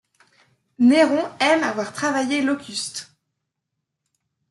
Néron aime à voir travailler Locuste.